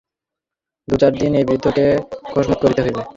দু-চার দিন এ বৃদ্ধকে খোশামোদ করিতে হইবে।